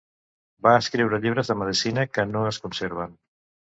Va escriure llibres de medicina que no es conserven.